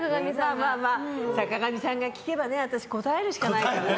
まあまあ、坂上さんに聞かれれば私、答えるしかないからね。